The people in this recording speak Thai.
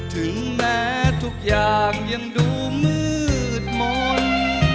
ถึงแม้ทุกอย่างยังดูมืดมนต์